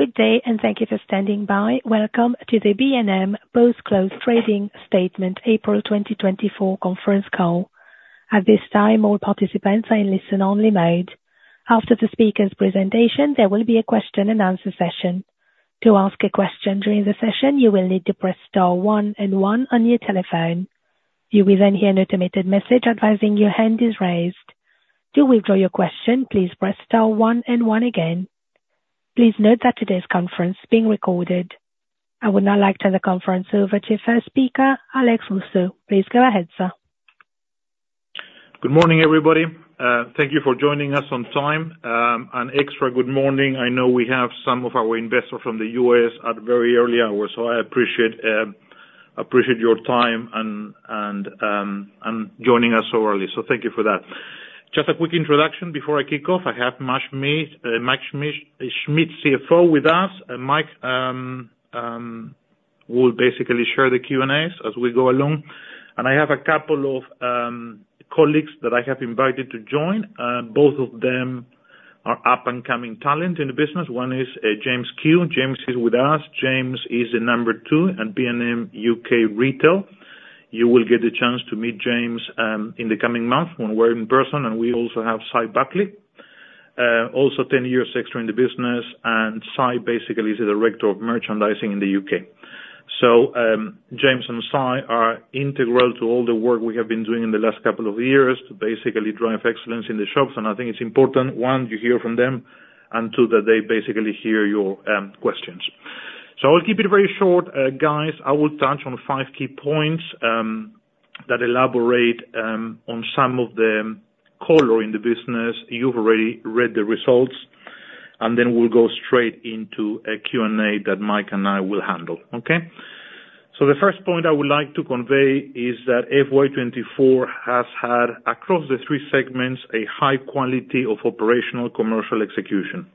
Good day, and thank you for standing by. Welcome to the B&M post-close trading statement, April 2024 conference call. At this time, all participants are in listen-only mode. After the speaker's presentation, there will be a question and answer session. To ask a question during the session, you will need to press star one and one on your telephone. You will then hear an automated message advising your hand is raised. To withdraw your question, please press star one and one again. Please note that today's conference is being recorded. I would now like to turn the conference over to our speaker, Alex Russo. Please go ahead, sir. Good morning, everybody. Thank you for joining us on time. An extra good morning. I know we have some of our investors from the U.S. at a very early hour, so I appreciate your time and joining us so early. So thank you for that. Just a quick introduction before I kick off. I have Mike Schmidt, CFO, with us. And Mike will basically share the Q&As as we go along. And I have a couple of colleagues that I have invited to join. Both of them are up-and-coming talent in the business. One is James Kew. James is with us. James is the number two at B&M UK Retail. You will get the chance to meet James in the coming months when we're in person. And we also have Si Buckley, also 10 years extra in the business, and Si basically is the director of merchandising in the UK. So, James and Si are integral to all the work we have been doing in the last couple of years to basically drive excellence in the shops. And I think it's important, one, you hear from them, and two, that they basically hear your questions. So I'll keep it very short, guys. I will touch on five key points that elaborate on some of the color in the business. You've already read the results, and then we'll go straight into a Q&A that Mike and I will handle. Okay? So the first point I would like to convey is that FY 2024 has had, across the three segments, a high quality of operational commercial execution.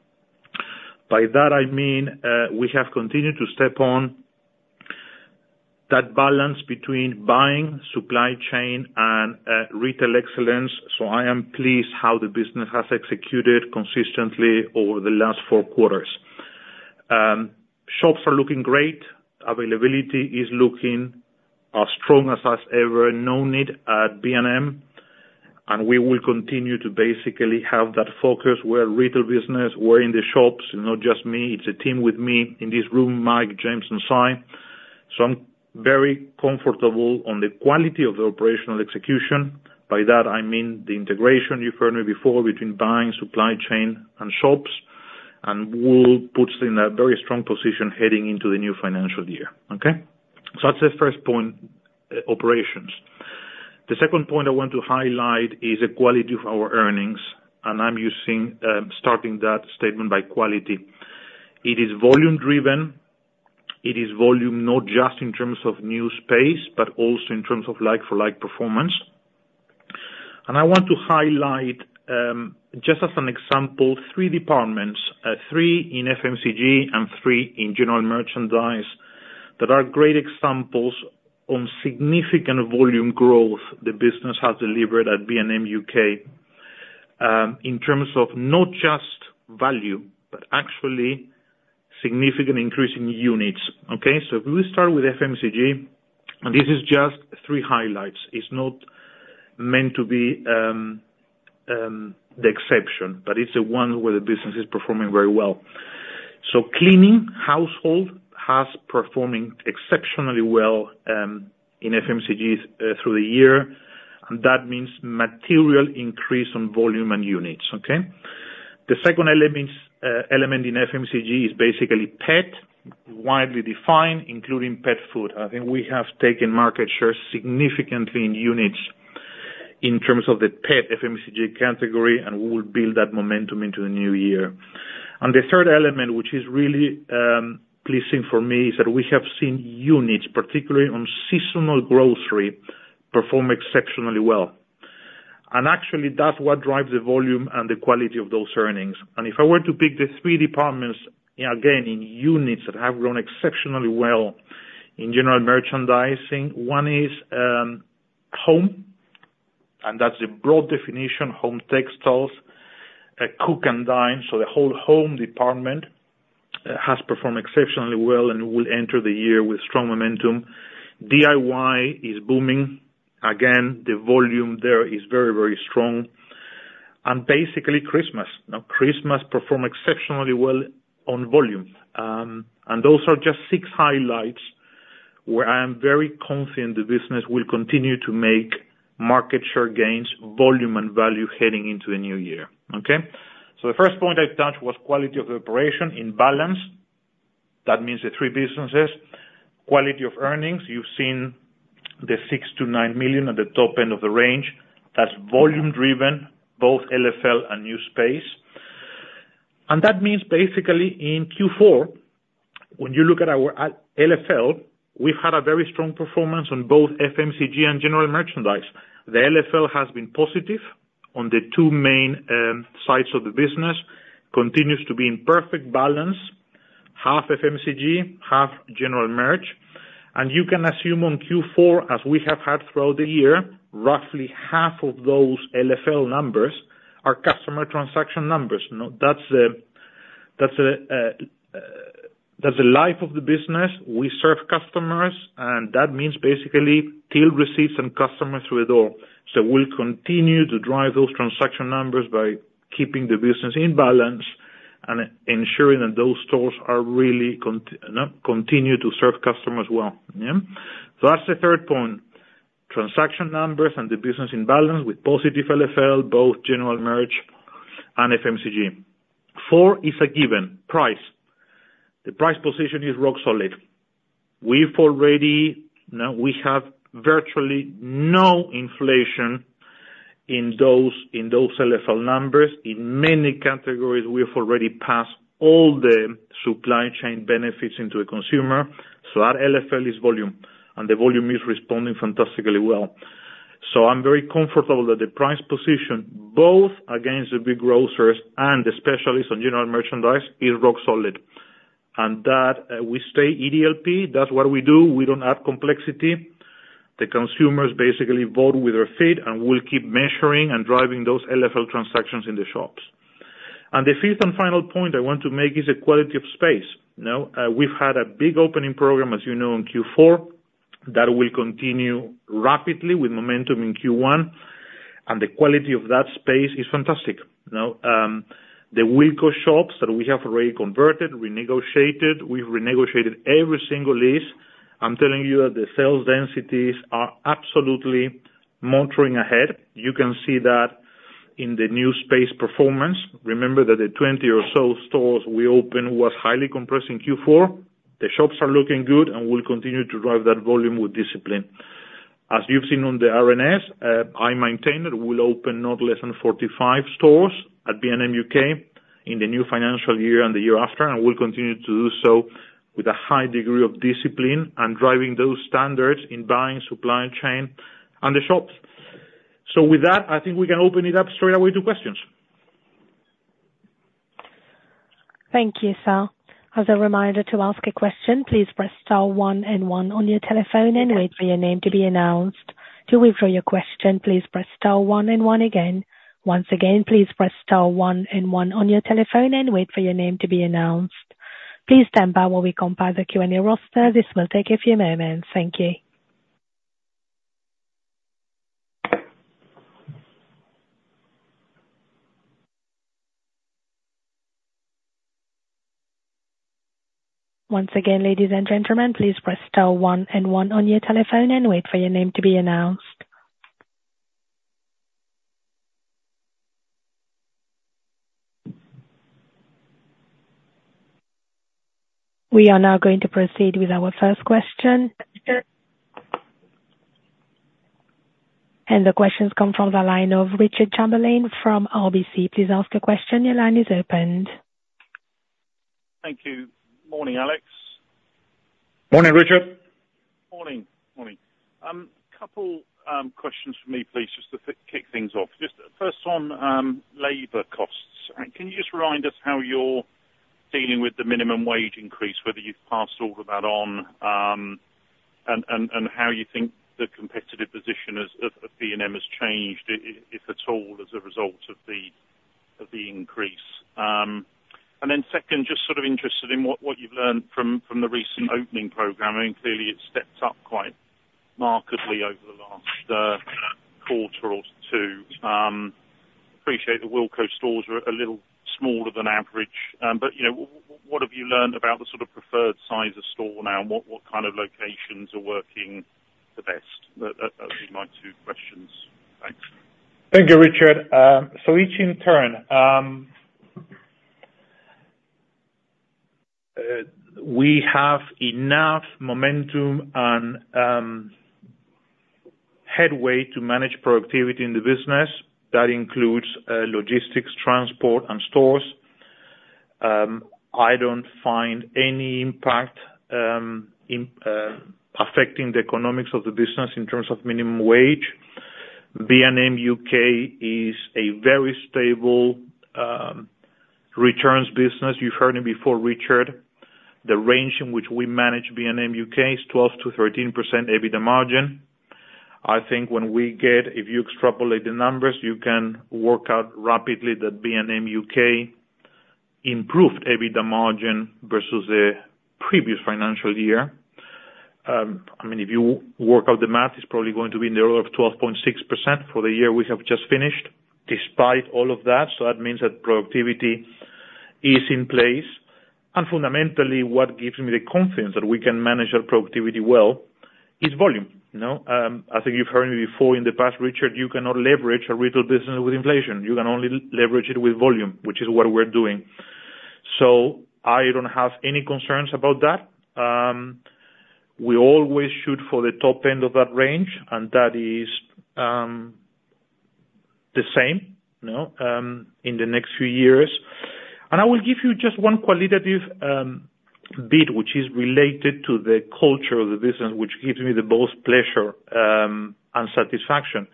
By that I mean, we have continued to strike that balance between buying, supply chain, and retail excellence, so I am pleased how the business has executed consistently over the last four quarters. Shops are looking great. Availability is looking as strong as ever, no need at B&M, and we will continue to basically have that focus. We're a retail business, we're in the shops, not just me, it's a team with me in this room, Mike, James, and Si. So I'm very comfortable on the quality of the operational execution. By that I mean the integration you've heard me before between buying, supply chain, and shops, and that puts in a very strong position heading into the new financial year. Okay? So that's the first point, operations. The second point I want to highlight is the quality of our earnings, and I'm using, starting that statement by quality. It is volume driven. It is volume not just in terms of new space, but also in terms of like-for-like performance. And I want to highlight, just as an example, three departments, three in FMCG and three in general merchandise, that are great examples on significant volume growth the business has delivered at B&M UK. In terms of not just value, but actually significant increase in units. Okay? So if we start with FMCG, and this is just three highlights. It's not meant to be, the exception, but it's the one where the business is performing very well. So cleaning, household has performing exceptionally well, in FMCGs, through the year, and that means material increase on volume and units. Okay? The second element in FMCG is basically pet, widely defined, including pet food. I think we have taken market share significantly in units in terms of the pet FMCG category, and we will build that momentum into the new year. And the third element, which is really pleasing for me, is that we have seen units, particularly on seasonal grocery, perform exceptionally well. And actually, that's what drives the volume and the quality of those earnings. And if I were to pick the three departments, again, in units that have grown exceptionally well in general merchandising, one is home, and that's a broad definition, home textiles, cook and dine. So the whole home department has performed exceptionally well and will enter the year with strong momentum. DIY is booming. Again, the volume there is very, very strong. And basically Christmas. Now, Christmas performed exceptionally well on volume. And those are just six highlights where I am very confident the business will continue to make market share gains, volume and value, heading into the new year. Okay? So the first point I touched was quality of operation in balance. That means the three businesses. Quality of earnings, you've seen the 6 million-9 million at the top end of the range. That's volume driven, both LFL and new space. And that means basically in Q4, when you look at our LFL, we've had a very strong performance on both FMCG and general merchandise. The LFL has been positive on the two main sites of the business, continues to be in perfect balance, half FMCG, half general merch.... You can assume on Q4, as we have had throughout the year, roughly half of those LFL numbers are customer transaction numbers. Now, that's the life of the business. We serve customers, and that means basically till receipts and customers through the door. So we'll continue to drive those transaction numbers by keeping the business in balance and ensuring that those stores continue to serve customers well. Yeah. So that's the third point, transaction numbers and the business in balance with positive LFL, both general merch and FMCG. Four is a given, price. The price position is rock solid. We've already, now we have virtually no inflation in those, in those LFL numbers. In many categories, we have already passed all the supply chain benefits into the consumer, so our LFL is volume, and the volume is responding fantastically well. So I'm very comfortable that the price position, both against the big grocers and the specialists on general merchandise, is rock solid. And that we stay EDLP, that's what we do. We don't add complexity. The consumers basically vote with their feet, and we'll keep measuring and driving those LFL transactions in the shops. And the fifth and final point I want to make is the quality of space. Now we've had a big opening program, as you know, in Q4. That will continue rapidly with momentum in Q1, and the quality of that space is fantastic, you know? The Wilko shops that we have already converted, renegotiated, we've renegotiated every single lease. I'm telling you that the sales densities are absolutely motoring ahead. You can see that in the new space performance. Remember that the 20 or so stores we opened was highly compressed in Q4. The shops are looking good, and we'll continue to drive that volume with discipline. As you've seen on the RNS, I maintain that we'll open not less than 45 stores at B&M UK in the new financial year and the year after, and we'll continue to do so with a high degree of discipline and driving those standards in buying, supply chain, and the shops. So with that, I think we can open it up straight away to questions. Thank you, sir. As a reminder, to ask a question, please press star one and one on your telephone and wait for your name to be announced. To withdraw your question, please press star one and one again. Once again, please press star one and one on your telephone and wait for your name to be announced. Please stand by while we compile the Q&A roster. This will take a few moments. Thank you. Once again, ladies and gentlemen, please press star one and one on your telephone and wait for your name to be announced. We are now going to proceed with our first question, and the questions come from the line of Richard Chamberlain from RBC. Please ask a question. Your line is open. Thank you. Morning, Alex. Morning, Richard. Morning, morning. Couple questions for me, please, just to kick things off. Just first on labor costs. Can you just remind us how you're dealing with the minimum wage increase, whether you've passed all of that on, and how you think the competitive position of B&M has changed, if at all, as a result of the increase? And then second, just sort of interested in what you've learned from the recent opening programming. Clearly, it's stepped up quite markedly over the last quarter or two. Appreciate the Wilko stores are a little smaller than average, but you know, what have you learned about the sort of preferred size of store now, and what kind of locations are working the best? Those are my two questions. Thanks. Thank you, Richard. We have enough momentum and headway to manage productivity in the business. That includes logistics, transport, and stores. I don't find any impact in affecting the economics of the business in terms of minimum wage. B&M UK is a very stable returns business. You've heard it before, Richard. The range in which we manage B&M UK is 12%-13% EBITDA margin. I think when we get-- if you extrapolate the numbers, you can work out rapidly that B&M UK improved EBITDA margin versus the previous financial year. I mean, if you work out the math, it's probably going to be in the order of 12.6% for the year we have just finished, despite all of that, so that means that productivity is in place. Fundamentally, what gives me the confidence that we can manage our productivity well is volume, you know? I think you've heard me before in the past, Richard, you cannot leverage a retail business with inflation. You can only leverage it with volume, which is what we're doing. So I don't have any concerns about that. We always shoot for the top end of that range, and that is the same, you know, in the next few years. I will give you just one qualitative bit, which is related to the culture of the business, which gives me the most pleasure and satisfaction.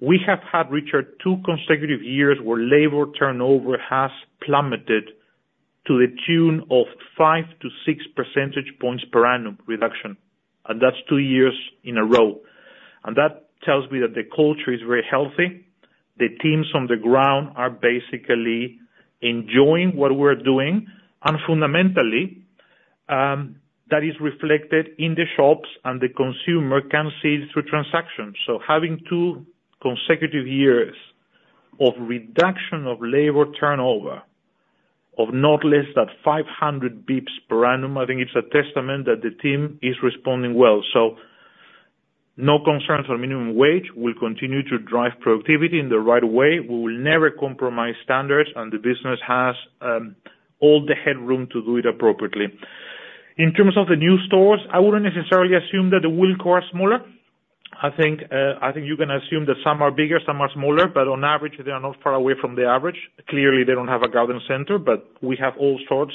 We have had, Richard, two consecutive years where labor turnover has plummeted to the tune of 5-6 percentage points per annum reduction, and that's two years in a row. That tells me that the culture is very healthy, the teams on the ground are basically enjoying what we're doing, and fundamentally, that is reflected in the shops, and the consumer can see it through transactions. So having two consecutive years of reduction of labor turnover of not less than 500 basis points per annum, I think it's a testament that the team is responding well. So no concerns on minimum wage. We'll continue to drive productivity in the right way. We will never compromise standards, and the business has all the headroom to do it appropriately. In terms of the new stores, I wouldn't necessarily assume that the Wilko are smaller. I think you can assume that some are bigger, some are smaller, but on average they are not far away from the average. Clearly, they don't have a garden center, but we have all sorts.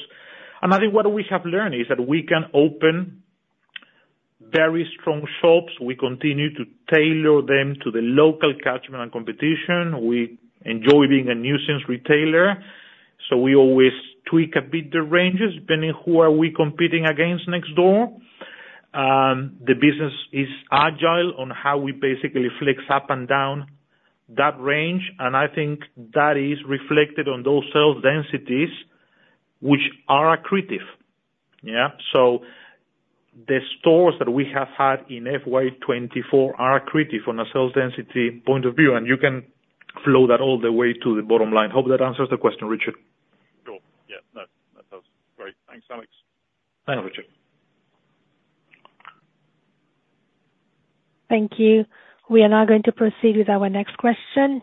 And I think what we have learned is that we can open very strong shops. We continue to tailor them to the local catchment and competition. We enjoy being a nuisance retailer, so we always tweak a bit the ranges, depending who are we competing against next door. The business is agile on how we basically flex up and down that range, and I think that is reflected on those sales densities, which are accretive. Yeah? So the stores that we have had in FY 2024 are accretive from a sales density point of view, and you can flow that all the way to the bottom line. Hope that answers the question, Richard. Cool. Yeah. That, that does. Great. Thanks, Alex. Thank you, Richard. Thank you. We are now going to proceed with our next question.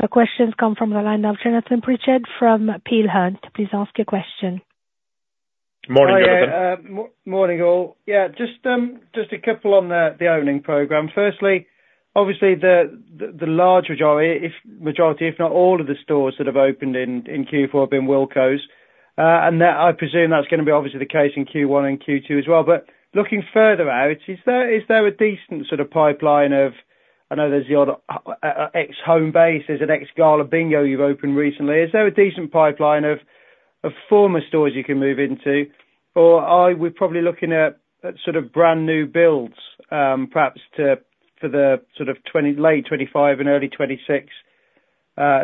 The questions come from the line of Jonathan Pritchard from Peel Hunt. Please ask your question. Morning, Jonathan. Hi, yeah, morning, all. Yeah, just a couple on the opening program. Firstly, obviously, the large majority, if not all, of the stores that have opened in Q4 have been Wilko's, and that I presume that's gonna be obviously the case in Q1 and Q2 as well. But looking further out, is there a decent sort of pipeline of... I know there's the odd ex-Homebase, there's an ex-Gala Bingo you've opened recently. Is there a decent pipeline of former stores you can move into? Or are we probably looking at sort of brand-new builds, perhaps to, for the sort of 20, late 2025 and early 2026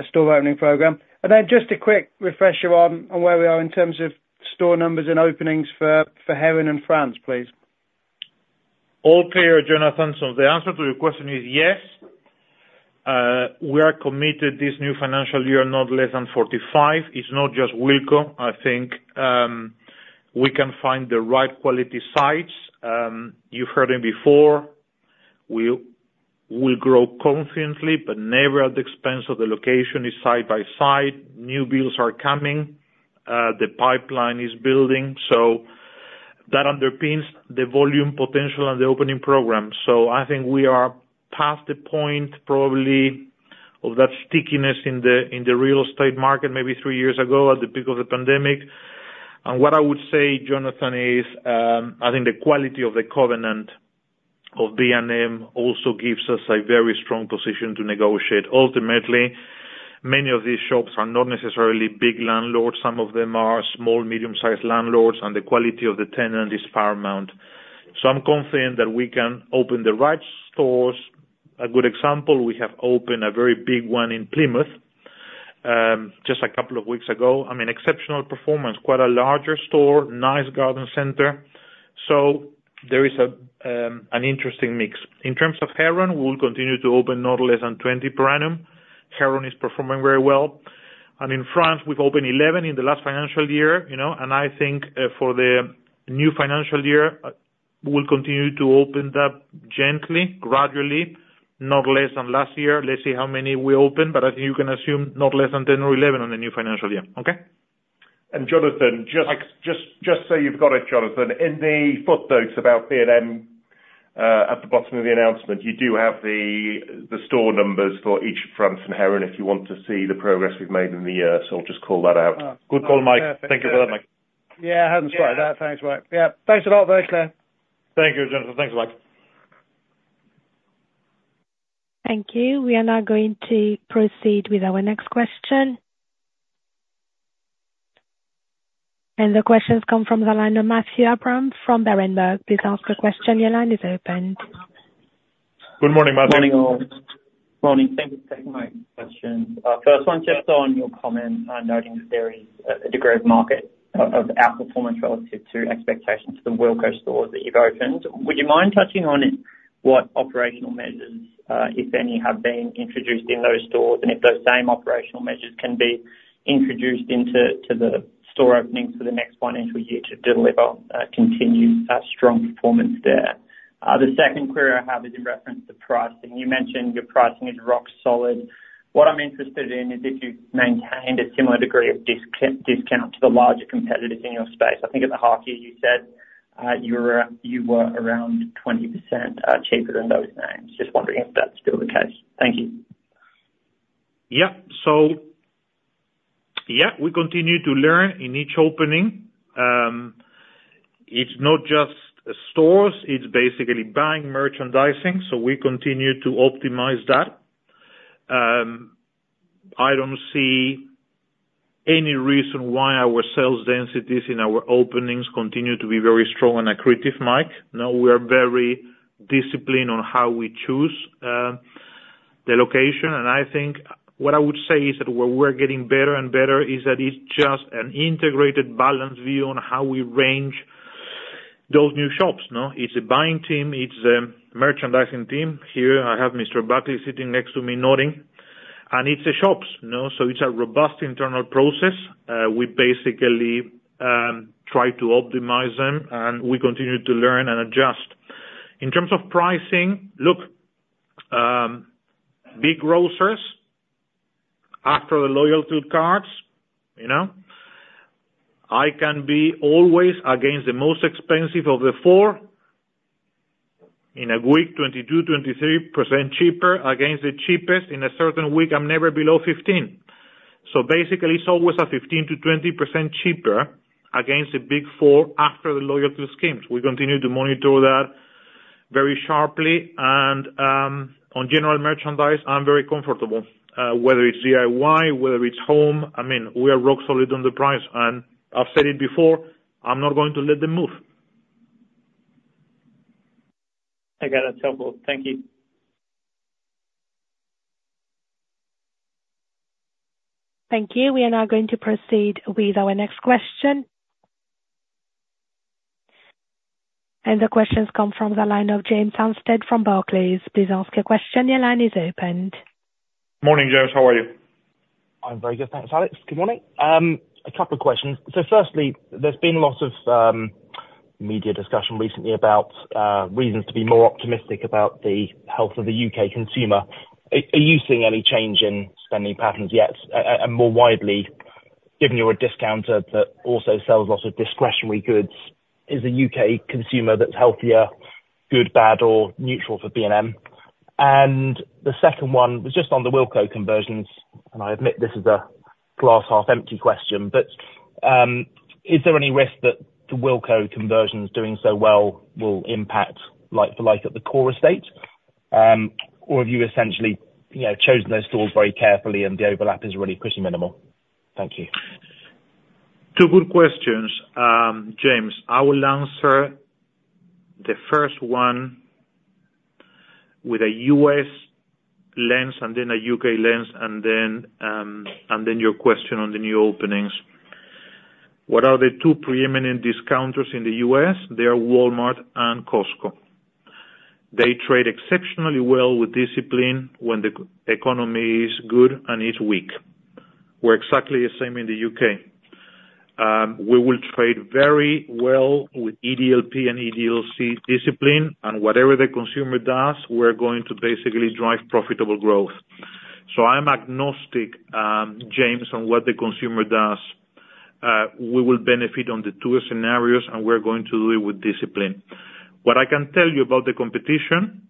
store opening program? And then just a quick refresher on where we are in terms of store numbers and openings for Heron and France, please. All clear, Jonathan. So the answer to your question is yes, we are committed this new financial year, not less than 45. It's not just Wilko. I think, we can find the right quality sites. You've heard them before. We'll grow confidently, but never at the expense of the location, it's side by side. New builds are coming. The pipeline is building, so that underpins the volume potential and the opening program. So I think we are past the point, probably, of that stickiness in the real estate market, maybe three years ago, at the peak of the pandemic. And what I would say, Jonathan, is, I think the quality of the covenant of B&M also gives us a very strong position to negotiate. Ultimately, many of these shops are not necessarily big landlords. Some of them are small, medium-sized landlords, and the quality of the tenant is paramount. So I'm confident that we can open the right stores. A good example, we have opened a very big one in Plymouth just a couple of weeks ago. I mean, exceptional performance, quite a larger store, nice garden center. So there is an interesting mix. In terms of Heron, we will continue to open not less than 20 per annum. Heron is performing very well. And in France, we've opened 11 in the last financial year, you know, and I think for the new financial year, we'll continue to open that gently, gradually, not less than last year. Let's see how many we open, but I think you can assume not less than 10 or 11 on the new financial year. Okay? Jonathan, just- Thanks. Just, just so you've got it, Jonathan, in the footnotes about B&M, at the bottom of the announcement, you do have the store numbers for B&M France and Heron, if you want to see the progress we've made in the year. So I'll just call that out. Good call, Mike. Thank you for that, Mike. Yeah, I hadn't spotted that. Thanks, Mike. Yeah. Thanks a lot, very clear. Thank you, Jonathan. Thanks, Mike. Thank you. We are now going to proceed with our next question. The question's come from the line of Matthew Abraham from Berenberg. Please ask your question. Your line is open. Good morning, Matthew. Morning, all. Morning. Thank you for taking my question. First one, just on your comment, noting that there is a degree of market outperformance relative to expectations for the Wilko stores that you've opened. Would you mind touching on what operational measures, if any, have been introduced in those stores, and if those same operational measures can be introduced into the store openings for the next financial year to deliver continued strong performance there? The second query I have is in reference to pricing. You mentioned your pricing is rock solid. What I'm interested in is if you've maintained a similar degree of discount to the larger competitors in your space. I think at the half year, you said you were around 20% cheaper than those names. Just wondering if that's still the case. Thank you.... Yep, so, yeah, we continue to learn in each opening. It's not just stores, it's basically buying merchandising, so we continue to optimize that. I don't see any reason why our sales densities in our openings continue to be very strong and accretive, Mike. Now we are very disciplined on how we choose the location, and I think what I would say is that where we're getting better and better is that it's just an integrated, balanced view on how we range those new shops, no? It's a buying team, it's a merchandising team. Here, I have Mr. Buckley sitting next to me, nodding, and it's the shops, no? So it's a robust internal process. We basically try to optimize them, and we continue to learn and adjust. In terms of pricing, look, big grocers, after the loyalty cards, you know, I can be always against the most expensive of the four. In a week, 22%-23% cheaper against the cheapest. In a certain week, I'm never below 15. So basically, it's always a 15%-20% cheaper against the Big Four after the loyalty schemes. We continue to monitor that very sharply, and on general merchandise, I'm very comfortable, whether it's DIY, whether it's home, I mean, we are rock solid on the price. And I've said it before, I'm not going to let them move. I got it. [inaudible] Thank you. Thank you. We are now going to proceed with our next question. The question's come from the line of James Anstead from Barclays. Please ask your question. Your line is open. Morning, James. How are you? I'm very good. Thanks, Alex. Good morning. A couple of questions. So firstly, there's been a lot of media discussion recently about reasons to be more optimistic about the health of the U.K. consumer. Are you seeing any change in spending patterns yet? And more widely, given you're a discounter that also sells lots of discretionary goods, is the U.K. consumer that's healthier, good, bad, or neutral for B&M? And the second one was just on the Wilko conversions, and I admit this is a glass half empty question, but is there any risk that the Wilko conversions doing so well will impact like for like at the core estate? Or have you essentially, you know, chosen those stores very carefully and the overlap is really pretty minimal? Thank you. Two good questions, James. I will answer the first one with a U.S. lens and then a U.K. lens, and then your question on the new openings. What are the two preeminent discounters in the U.S.? They are Walmart and Costco. They trade exceptionally well with discipline when the economy is good and is weak. We're exactly the same in the U.K. We will trade very well with EDLP and EDLC discipline, and whatever the consumer does, we're going to basically drive profitable growth. So I'm agnostic, James, on what the consumer does. We will benefit on the two scenarios, and we're going to do it with discipline. What I can tell you about the competition,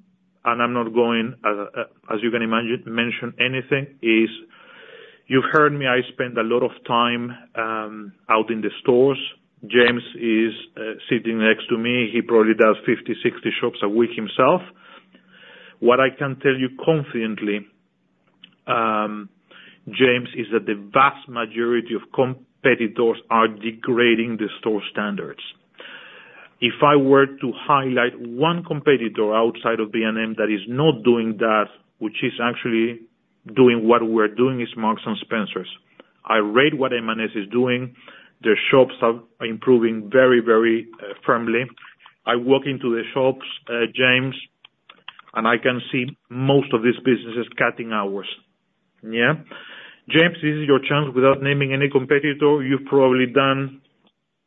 and I'm not going to mention anything, as you can imagine, is you've heard me. I spend a lot of time out in the stores. James is sitting next to me. He probably does 50, 60 shops a week himself. What I can tell you confidently, James, is that the vast majority of competitors are degrading the store standards. If I were to highlight one competitor outside of B&M that is not doing that, which is actually doing what we're doing, is Marks & Spencer. I rate what M&S is doing. Their shops are improving very, very firmly. I walk into the shops, James, and I can see most of these businesses cutting hours. Yeah. James, this is your chance, without naming any competitor, you've probably done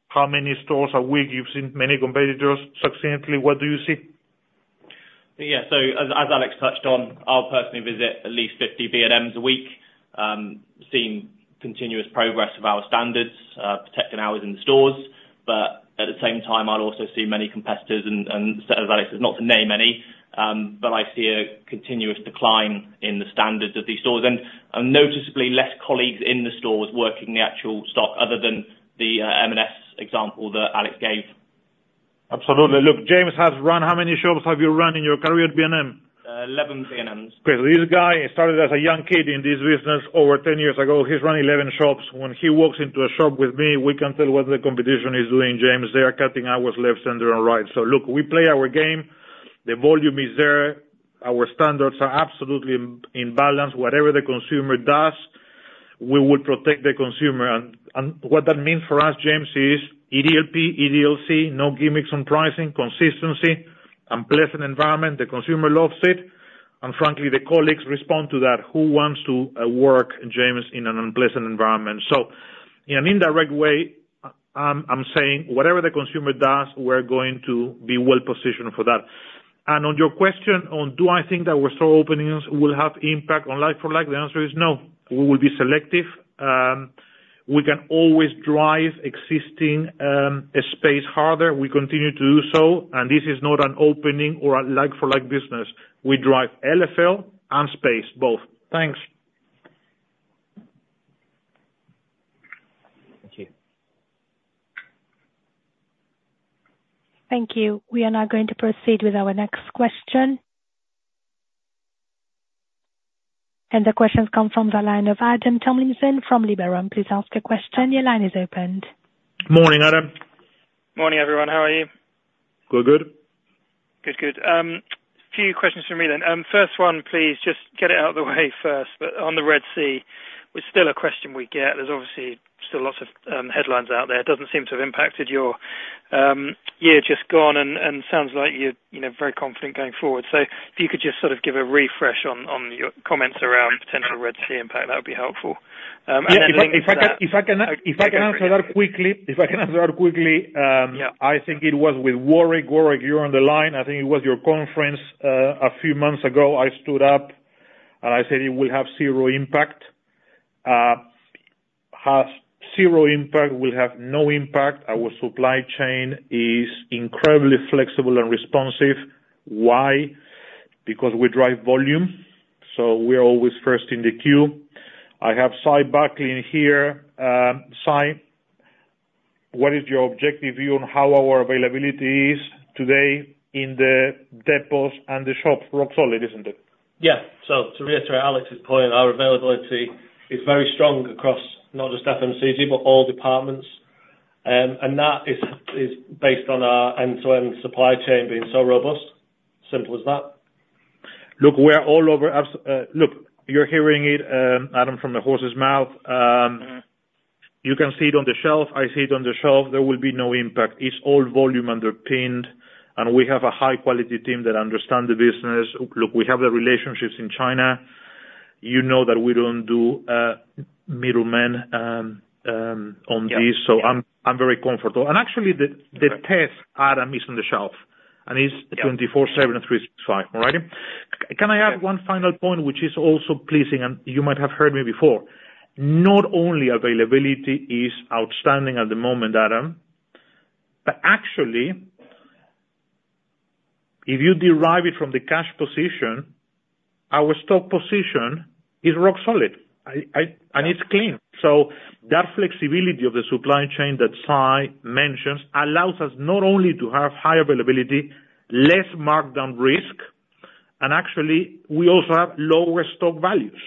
how many stores a week? You've seen many competitors successively. What do you see? Yeah. So as Alex touched on, I'll personally visit at least 50 B&Ms a week, seeing continuous progress of our standards, protecting hours in stores. But at the same time, I'll also see many competitors and so that is not to name any, but I see a continuous decline in the standards of these stores, and noticeably less colleagues in the stores working the actual stock, other than the M&S example that Alex gave. Absolutely. Look, James has run... How many shops have you run in your career at B&M? 11 B&Ms. Great. This guy started as a young kid in this business over 10 years ago. He's run 11 shops. When he walks into a shop with me, we can tell what the competition is doing, James. They are cutting hours left, center, and right. So look, we play our game, the volume is there, our standards are absolutely maintained in balance. Whatever the consumer does, we will protect the consumer. And, and what that means for us, James, is EDLP, EDLC, no gimmicks on pricing, consistency, unpleasant environment, the consumer loves it, and frankly, the colleagues respond to that. Who wants to work, James, in an unpleasant environment? So in an indirect way, I'm saying whatever the consumer does, we're going to be well positioned for that. And on your question on, do I think that our store openings will have impact on like-for-like? The answer is no. We will be selective. We can always drive existing space harder. We continue to do so, and this is not an opening or a like for like business. We drive LFL and space, both. Thanks. Thank you. Thank you. We are now going to proceed with our next question. The question comes from the line of Adam Tomlinson from Liberum. Please ask your question. Your line is opened. Morning, Adam. Morning, everyone. How are you? We're good. Good, good. Few questions from me then. First one, please, just get it out of the way first, but on the Red Sea, it's still a question we get. There's obviously still lots of headlines out there. It doesn't seem to have impacted your year just gone and sounds like you're, you know, very confident going forward. So if you could just sort of give a refresh on your comments around potential Red Sea impact, that would be helpful. And- Yeah, if I can answer that quickly. Yeah. I think it was with Warwick. Warwick, you're on the line. I think it was your conference, a few months ago. I stood up, and I said it will have zero impact. Has zero impact, will have no impact. Our supply chain is incredibly flexible and responsive. Why? Because we drive volume, so we're always first in the queue. I have Si Buckley in here. Si, what is your objective view on how our availability is today in the depots and the shops? Rock solid, isn't it? Yeah. So to reiterate Alex's point, our availability is very strong across not just FMCG, but all departments. And that is based on our end-to-end supply chain being so robust. Simple as that. Look, we're all over. Look, you're hearing it, Adam, from the horse's mouth. You can see it on the shelf. I see it on the shelf. There will be no impact. It's all volume underpinned, and we have a high quality team that understand the business. Look, we have the relationships in China. You know that we don't do middlemen on this- Yeah. So I'm very comfortable. And actually, the test, Adam, is on the shelf, and it's 24/7 and 365. All right? Can I add one final point, which is also pleasing, and you might have heard me before. Not only availability is outstanding at the moment, Adam, but actually, if you derive it from the cash position, our stock position is rock solid. And it's clean. So that flexibility of the supply chain that Si mentions allows us not only to have high availability, less markdown risk, and actually we also have lower stock values.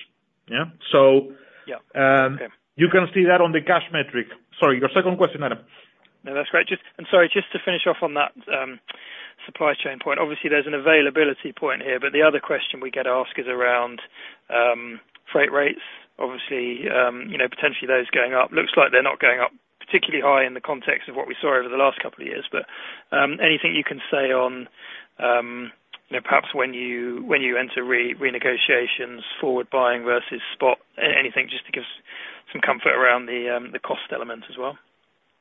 Yeah? So- Yeah. Okay. You can see that on the cash metric. Sorry, your second question, Adam. No, that's great. Just... And sorry, just to finish off on that, supply chain point. Obviously, there's an availability point here, but the other question we get asked is around, freight rates. Obviously, you know, potentially those going up. Looks like they're not going up particularly high in the context of what we saw over the last couple of years. But, anything you can say on, you know, perhaps when you, when you enter renegotiations, forward buying versus spot, anything, just to give us some comfort around the, the cost element as well?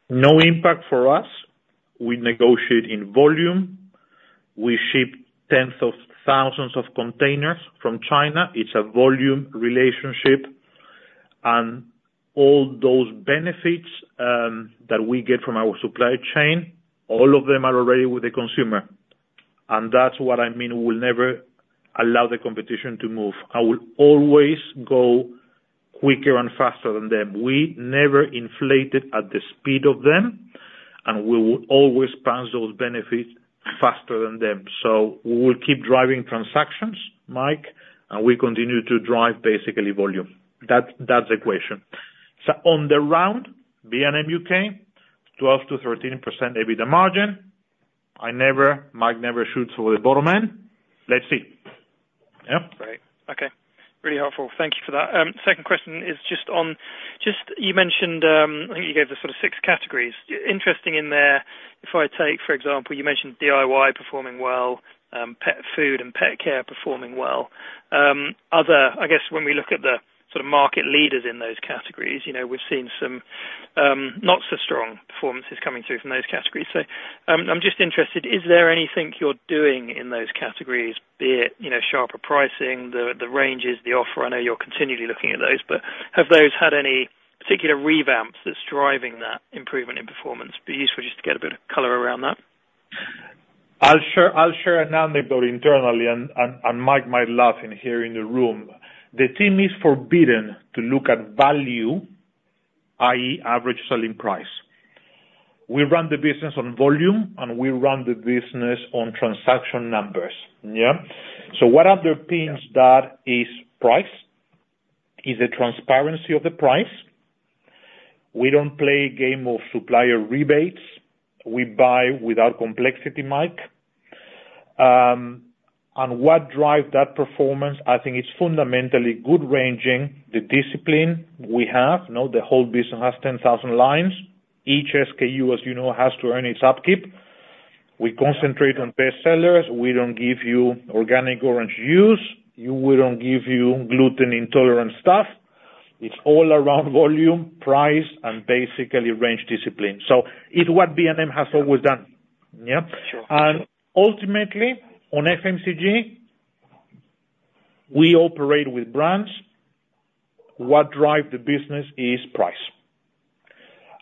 No impact for us. We negotiate in volume. We ship tens of thousands of containers from China. It's a volume relationship, and all those benefits that we get from our supply chain, all of them are already with the consumer. And that's what I mean, we'll never allow the competition to move. I will always go quicker and faster than them. We never inflated at the speed of them, and we will always pass those benefits faster than them. So we will keep driving transactions, Mike, and we continue to drive, basically, volume. That, that's the equation. So on the round, B&M UK, 12%-13% EBITDA margin. I never, Mike never shoots for the bottom line. Let's see. Yeah? Great. Okay, really helpful. Thank you for that. Second question is just on, just you mentioned, I think you gave the sort of six categories. Interesting in there, if I take, for example, you mentioned DIY performing well, pet food and pet care performing well. Other, I guess, when we look at the sort of market leaders in those categories, you know, we've seen some, not so strong performances coming through from those categories. So, I'm just interested, is there anything you're doing in those categories, be it, you know, sharper pricing, the, the ranges, the offer? I know you're continually looking at those, but have those had any particular revamps that's driving that improvement in performance? Be useful just to get a bit of color around that. I'll share an anecdote internally, and Mike might laugh here in the room. The team is forbidden to look at value, i.e., average selling price. We run the business on volume, and we run the business on transaction numbers. Yeah? So what underpins that is price, is the transparency of the price. We don't play game of supplier rebates. We buy without complexity, Mike. And what drive that performance, I think it's fundamentally good ranging, the discipline we have, you know, the whole business has 10,000 lines. Each SKU, as you know, has to earn its upkeep. We concentrate on best sellers. We don't give you organic orange juice. We don't give you gluten intolerant stuff. It's all around volume, price, and basically range discipline. So it's what B&M has always done. Yeah? Sure. Ultimately, on FMCG, we operate with brands. What drive the business is price.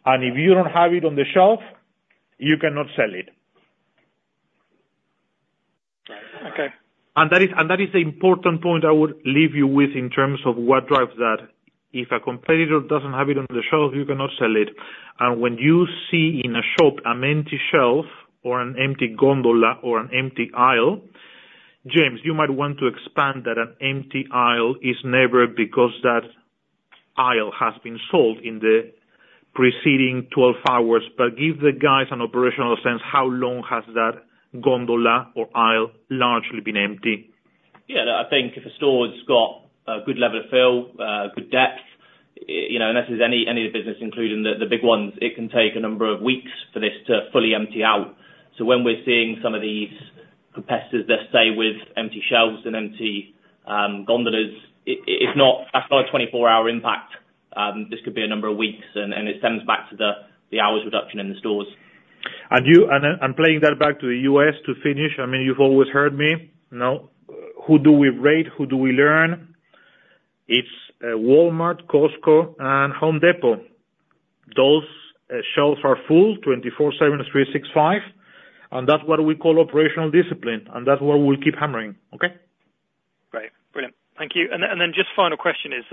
And if you don't have it on the shelf, you cannot sell it. Okay. And that is, and that is the important point I would leave you with in terms of what drives that. If a competitor doesn't have it on the shelf, you cannot sell it. And when you see in a shop an empty shelf or an empty gondola or an empty aisle, James, you might want to expand that an empty aisle is never because that aisle has been sold in the preceding 12 hours, but give the guys an operational sense, how long has that gondola or aisle largely been empty? Yeah, I think if a store's got a good level of fill, good depth, you know, and this is any, any of the business, including the, the big ones, it can take a number of weeks for this to fully empty out. So when we're seeing some of these competitors, let's say, with empty shelves and empty gondolas, it, it's not a 5-24-hour impact. This could be a number of weeks, and, and it stems back to the, the hours reduction in the stores. playing that back to the US to finish, I mean, you've always heard me, you know, who do we rate? Who do we learn? It's Walmart, Costco, and Home Depot. Those shelves are full 24/7, 365, and that's what we call operational discipline, and that's where we'll keep hammering. Okay? Great. Brilliant. Thank you. And then, and then just final question is,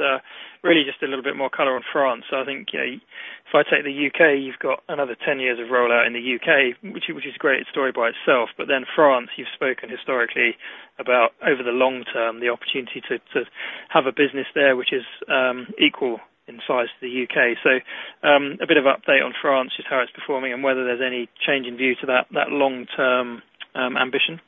really just a little bit more color on France. So I think, if I take the UK, you've got another 10 years of rollout in the UK, which, which is a great story by itself. But then France, you've spoken historically about over the long term, the opportunity to, to have a business there, which is, equal in size to the UK. So, a bit of update on France, just how it's performing and whether there's any change in view to that, that long-term, ambition.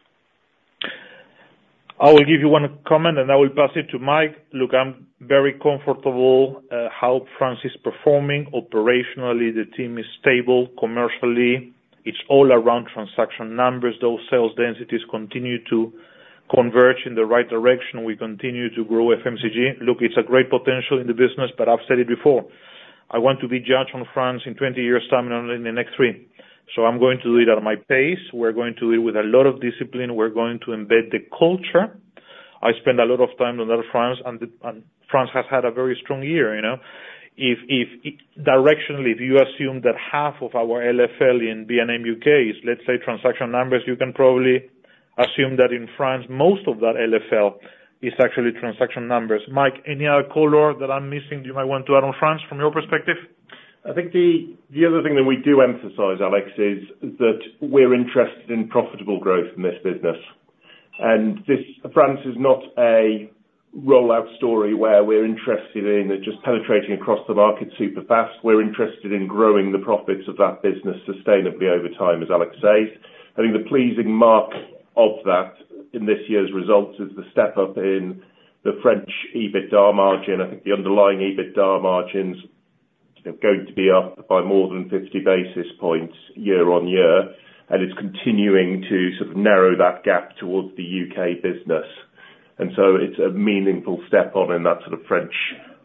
I will give you one comment, and I will pass it to Mike. Look, I'm very comfortable how France is performing. Operationally, the team is stable. Commercially, it's all around transaction numbers. Those sales densities continue to converge in the right direction. We continue to grow FMCG. Look, it's a great potential in the business, but I've said it before, I want to be judged on France in 20 years' time, not only in the next 3. So I'm going to do it at my pace. We're going to do it with a lot of discipline. We're going to embed the culture. I spend a lot of time on France, and France has had a very strong year, you know? If, directionally, if you assume that half of our LFL in B&M UK is, let's say, transaction numbers, you can probably assume that in France, most of that LFL is actually transaction numbers. Mike, any other color that I'm missing, you might want to add on France from your perspective? I think the other thing that we do emphasize, Alex, is that we're interested in profitable growth in this business. This France is not a rollout story where we're interested in just penetrating across the market super fast. We're interested in growing the profits of that business sustainably over time, as Alex says. I think the pleasing mark of that in this year's results is the step up in the French EBITDA margin. I think the underlying EBITDA margin's going to be up by more than 50 basis points year-on-year, and it's continuing to sort of narrow that gap towards the U.K. business. So it's a meaningful step on in that sort of French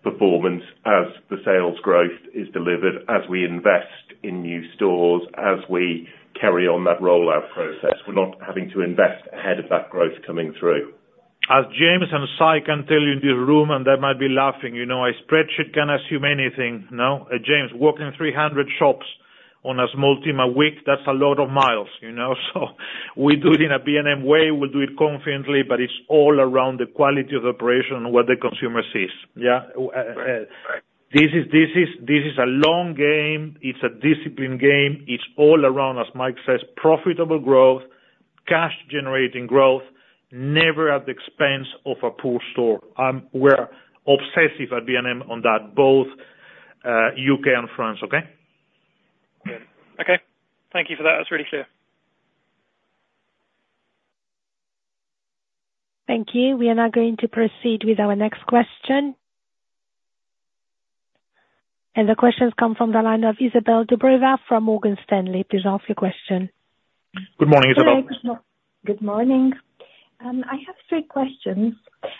performance as the sales growth is delivered, as we invest in new stores, as we carry on that rollout process. We're not having to invest ahead of that growth coming through. As James and Si can tell you in this room, and they might be laughing, you know, a spreadsheet can assume anything, no? James, walking 300 shops on a small team a week, that's a lot of miles, you know? So we do it in a B&M way, we do it confidently, but it's all around the quality of operation and what the consumer sees. Yeah? Right. This is a long game. It's a discipline game. It's all around, as Mike says, profitable growth, cash-generating growth, never at the expense of a poor store. We're obsessive at B&M on that, both UK and France. Okay? Good. Okay, thank you for that. That's really clear. Thank you. We are now going to proceed with our next question. The question comes from the line of Izabel Dobreva from Morgan Stanley. Please ask your question. Good morning, Izabel. Good morning. I have three questions.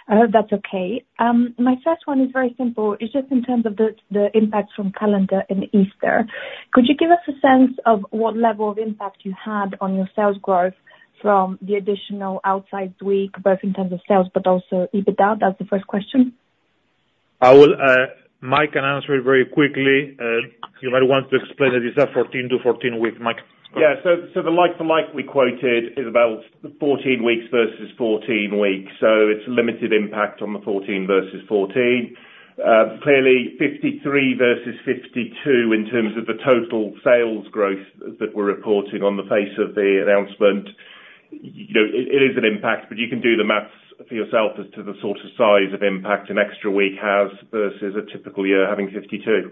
I hope that's okay. My first one is very simple. It's just in terms of the, the impact from calendar and Easter. Could you give us a sense of what level of impact you had on your sales growth from the additional outside week, both in terms of sales, but also EBITDA? That's the first question. I will, Mike, can answer it very quickly. You might want to explain it is a 14-14 week, Mike. Yeah, so, so the like for like we quoted is about 14 weeks versus 14 weeks, so it's a limited impact on the 14 versus 14. Clearly, 53 versus 52 in terms of the total sales growth that we're reporting on the face of the announcement, you know, it is an impact, but you can do the math for yourself as to the sort of size of impact an extra week has versus a typical year having 52.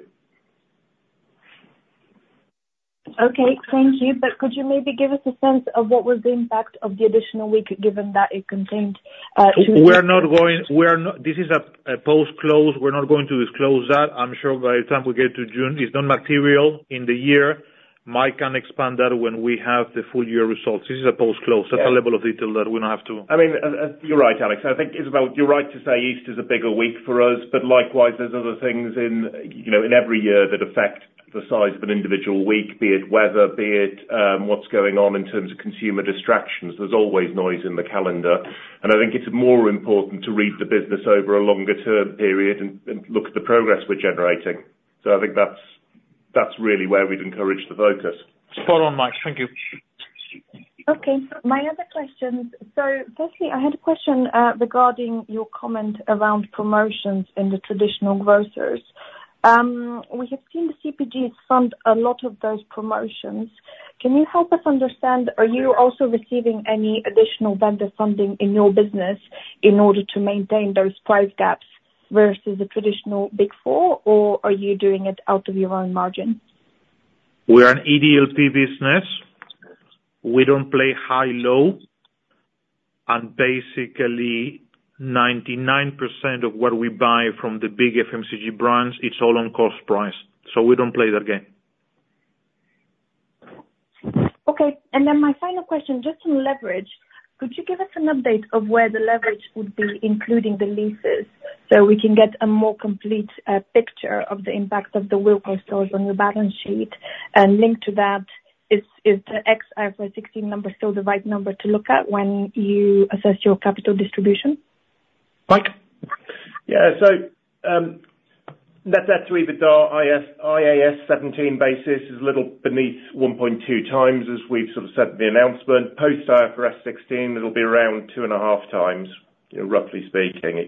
Okay, thank you. But could you maybe give us a sense of what was the impact of the additional week, given that it contained two- This is a post-close. We're not going to disclose that. I'm sure by the time we get to June, it's not material in the year. Mike can expand that when we have the full year results. This is a post-close. Yeah. That's a level of detail that we don't have to- I mean, you're right, Alex. I think, Izabel, you're right to say Easter is a bigger week for us, but likewise, there's other things in, you know, in every year that affect the size of an individual week, be it weather, be it, what's going on in terms of consumer distractions. There's always noise in the calendar, and I think it's more important to read the business over a longer term period and, and look at the progress we're generating.... So I think that's, that's really where we'd encourage the focus. Spot on, Mike. Thank you. Okay, my other questions. So firstly, I had a question regarding your comment around promotions in the traditional grocers. We have seen the CPGs fund a lot of those promotions. Can you help us understand, are you also receiving any additional vendor funding in your business in order to maintain those price gaps versus the traditional Big Four? Or are you doing it out of your own margin? We're an EDLP business. We don't play high-low, and basically, 99% of what we buy from the big FMCG brands, it's all on cost price, so we don't play that game. Okay. And then my final question, just on leverage. Could you give us an update of where the leverage would be, including the leases, so we can get a more complete picture of the impact of the Wilko stores on your balance sheet? And linked to that, is the ex IFRS 16 number still the right number to look at when you assess your capital distribution? Mike? Yeah, so, net debt to EBITDA is IAS 17 basis a little beneath 1.2 times, as we've sort of said in the announcement. Post IFRS 16, it'll be around 2.5 times, you know, roughly speaking.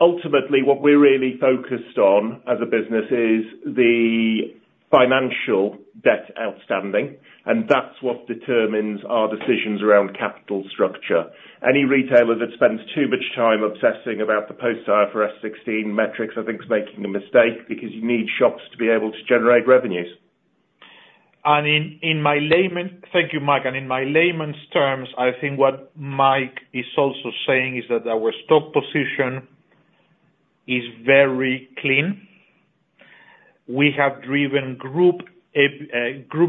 Ultimately, what we're really focused on as a business is the financial debt outstanding, and that's what determines our decisions around capital structure. Any retailer that spends too much time obsessing about the post IFRS 16 metrics, I think is making a mistake, because you need shops to be able to generate revenues. Thank you, Mike. In my layman's terms, I think what Mike is also saying is that our stock position is very clean. We have driven group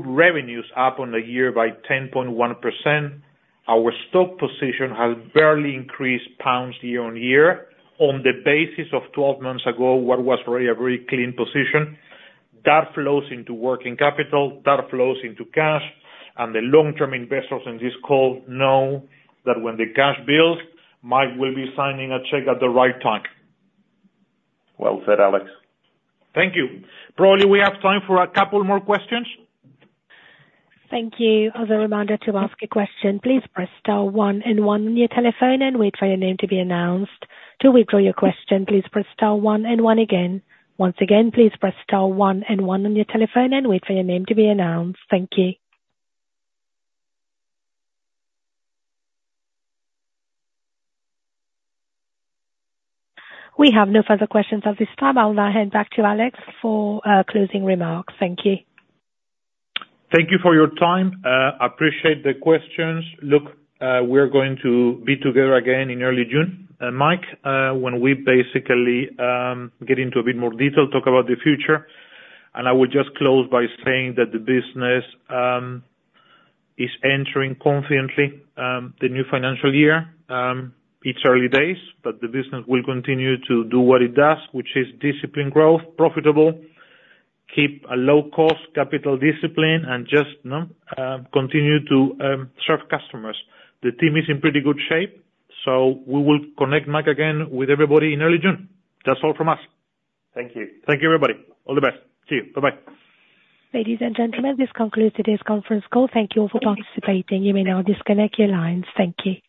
revenues up on the year by 10.1%. Our stock position has barely increased pounds year on year, on the basis of 12 months ago, what was already a very clean position. That flows into working capital, that flows into cash, and the long-term investors on this call know that when the cash builds, Mike will be signing a check at the right time. Well said, Alex. Thank you. Probably we have time for a couple more questions. Thank you. As a reminder to ask a question, please press star one and one on your telephone and wait for your name to be announced. To withdraw your question, please press star one and one again. Once again, please press star one and one on your telephone and wait for your name to be announced. Thank you. We have no further questions at this time. I'll now hand back to Alex for closing remarks. Thank you. Thank you for your time. Appreciate the questions. Look, we're going to be together again in early June, Mike, when we basically get into a bit more detail, talk about the future. And I would just close by saying that the business is entering confidently the new financial year. It's early days, but the business will continue to do what it does, which is disciplined growth, profitable, keep a low cost capital discipline, and just continue to serve customers. The team is in pretty good shape, so we will connect Mike again with everybody in early June. That's all from us. Thank you. Thank you, everybody. All the best. See you. Bye-bye. Ladies and gentlemen, this concludes today's conference call. Thank you all for participating. You may now disconnect your lines. Thank you.